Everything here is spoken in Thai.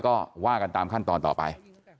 ก็ว่ากันตามขั้นตอนต่อไป